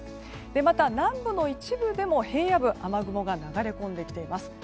また、南部の一部でも平野部に雨雲が流れ込んできています。